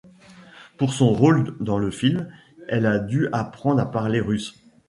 Pour son rôle dans le film, elle a dû apprendre à parler russe.